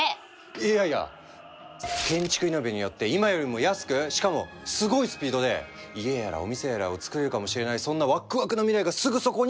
いやいや建築イノベによって今よりも安くしかもすごいスピードで家やらお店やらをつくれるかもしれないそんなワックワクな未来がすぐそこに！